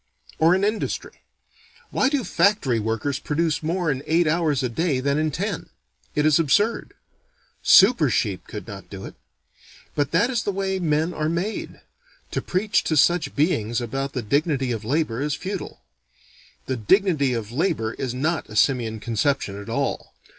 Or in industry: Why do factory workers produce more in eight hours a day than in ten? It is absurd. Super sheep could not do it. But that is the way men are made. To preach to such beings about the dignity of labor is futile. The dignity of labor is not a simian conception at all.